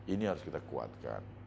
ini harus kita kuatkan